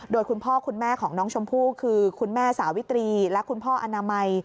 โดยคุณพ่อคุณแม่ของน้องชมพู่คือคุณแม่สาวิตรีและคุณพ่ออนามัย